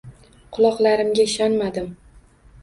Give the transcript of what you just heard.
Quloqlarimga ishonmadim.